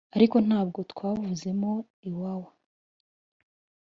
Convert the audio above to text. Ariko ntabwo twavuzemo Iwawa